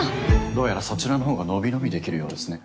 どうやらそちらのほうが伸び伸びできるようですね。